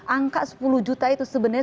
angka sepuluh juta itu sebenarnya